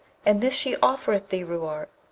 and this she offereth thee, Ruark!'